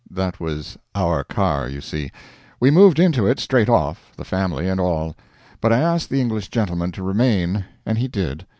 That was our car, you see. We moved into it, straight off, the family and all. But I asked the English gentleman to remain, and he did.